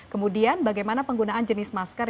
kemudian bagaimana penggunaan jenis masker